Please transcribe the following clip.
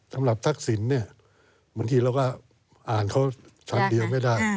ทักษิณเนี่ยบางทีเราก็อ่านเขาคำเดียวไม่ได้